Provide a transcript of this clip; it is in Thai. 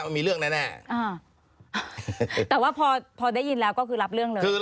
มันมีเรื่องแน่แน่อ่าแต่ว่าพอพอได้ยินแล้วก็คือ